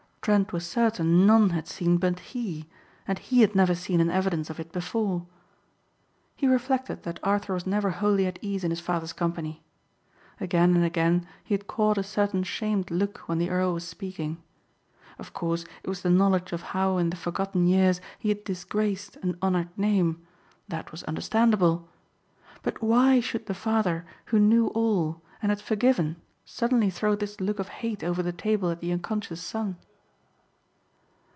Trent was certain none had seen but he and he had never seen an evidence of it before. He reflected that Arthur was never wholly at ease in his father's company. Again and again he had caught a certain shamed look when the earl was speaking. Of course it was the knowledge of how in the forgotten years he had disgraced an honored name. That was understandable. But why should the father who knew all and had forgiven suddenly throw this look of hate over the table at the unconscious son?